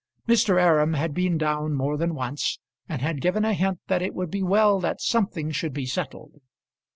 Mr. Aram had been down more than once, and had given a hint that it would be well that something should be settled.